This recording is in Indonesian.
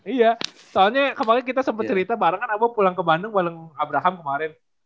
iya soalnya kemarin kita sempet cerita barengan abu pulang ke bandung baleng abraham kemarin